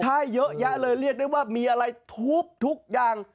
ใช่เยอะแยะเลยเรียกได้ว่ามีอะไรทุบทุกอย่าง